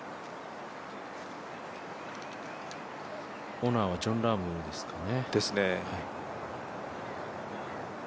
オナーはジョン・ラームですかね。